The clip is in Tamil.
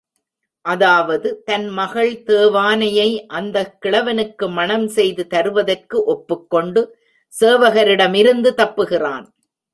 அதாவது, தன் மகள் தேவானையை அந்தக் கிழவனுக்கு மணம் செய்து தருவதற்கு ஒப்புக் கொண்டு சேவகரிடமிருந்து தப்புகிறான்.